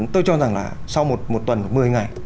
tôi cho rằng là sau một tuần mười ngày